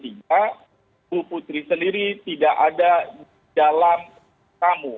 ibu putri sendiri tidak ada di dalam tamu